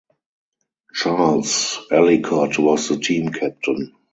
Charles Ellicott was the team captain.